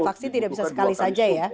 vaksin tidak bisa sekali saja ya